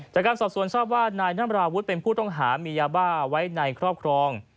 จากการสอบสวนทราบว่านายน้ำราวุฒิเป็นผู้ต้องหามียาบ้าไว้ในครอบครอง